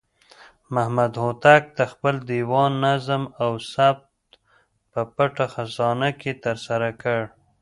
محمد هوتک د خپل دېوان نظم او ثبت په پټه خزانه کې ترسره کړ.